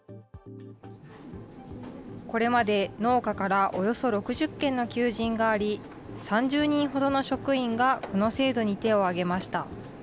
これまで農家からおよそ６０件の求人があり、３０人ほどの職員がこの制度に手を挙げました。